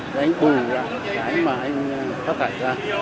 để anh bù ra để anh mà anh phát thải ra